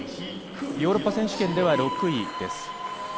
ヨーロッパ選手権では６位です。